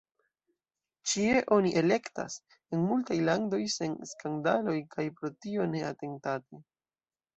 Ĉie oni elektas, en multaj landoj sen skandaloj kaj pro tio ne atentate.